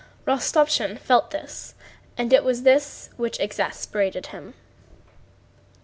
Rostopchín felt this, and it was this which exasperated him.